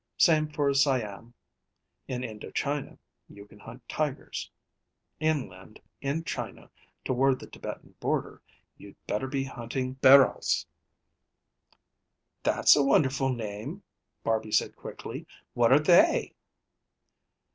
Same for Siam. In Indo China you can hunt tigers. Inland in China, toward the Tibetan border, you'd better be hunting bharals." "That's a wonderful name," Barby said quickly. "What are they?"